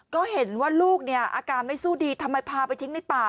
ก็เห็นว่าลูกเนี่ยอาการไม่สู้ดีทำไมพาไปทิ้งในป่า